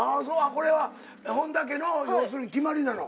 これは本田家の要するに決まりなの？